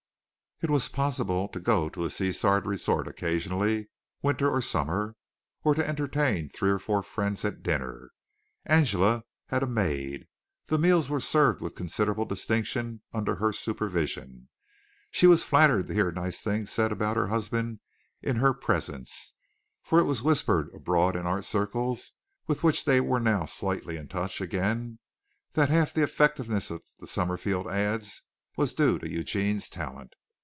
It was possible to go to a seaside resort occasionally, winter or summer, or to entertain three or four friends at dinner. Angela had a maid. The meals were served with considerable distinction under her supervision. She was flattered to hear nice things said about her husband in her presence, for it was whispered abroad in art circles with which they were now slightly in touch again that half the effectiveness of the Summerfield ads was due to Eugene's talent.